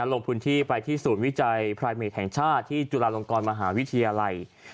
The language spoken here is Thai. ลงพื้นที่ไปที่ศูนย์วิจัยพรายเมดแห่งชาติที่จุฬาลงกรมหาวิทยาลัย